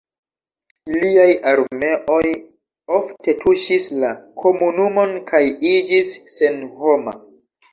Iliaj armeoj ofte tuŝis la komunumon kaj iĝis senhoma.